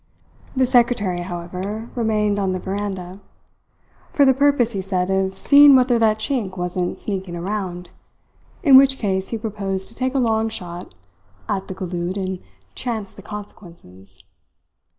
The secretary, however, remained on the veranda for the purpose, he said, of seeing whether that Chink wasn't sneaking around; in which case he proposed to take a long shot at the galoot and chance the consequences.